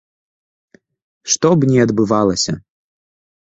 Што б не адбывалася.